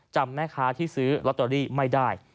จำแม่ค้าที่ซื้อลอตเตอรี่ไม่ได้